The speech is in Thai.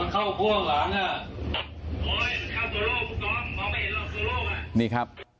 โอ้ยมันเข้าตัวโลกคุณกรองมองไปเห็นตัวโลกน่ะนี่ครับ